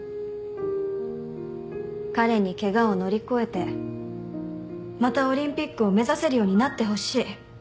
彼にケガを乗り越えてまたオリンピックを目指せるようになってほしい。